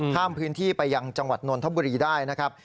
ข้ามพื้นที่ไปยังจังหวัดนนทบุรีได้นะครับ